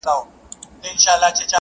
شپې مو په ساحل کې د څپو له وهمه وتښتي!